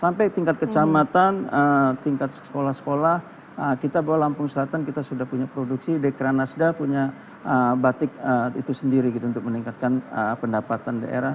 sampai tingkat kecamatan tingkat sekolah sekolah kita bahwa lampung selatan kita sudah punya produksi dekranasda punya batik itu sendiri gitu untuk meningkatkan pendapatan daerah